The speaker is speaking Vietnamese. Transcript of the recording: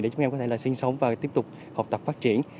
để chúng em có thể là sinh sống và tiếp tục học tập phát triển